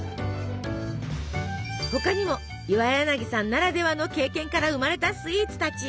他にも岩柳さんならではの経験から生まれたスイーツたち。